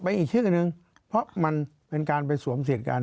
อีกชื่อนึงเพราะมันเป็นการไปสวมสิทธิ์กัน